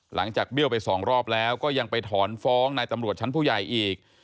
หลังจากเบี้ยวไป๒รอบแล้วก็ยังไปถอนฟ้องในตำรวจชั้นผู้ใหญ่อีก